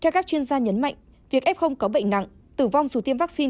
theo các chuyên gia nhấn mạnh việc f có bệnh nặng tử vong dù tiêm vaccine